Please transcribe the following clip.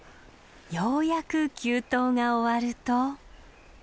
ようやく急登が終わると。